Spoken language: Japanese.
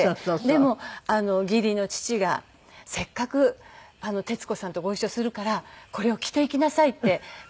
でも義理の父が「せっかく徹子さんとご一緒するからこれを着ていきなさい」って貸してくださったんですよ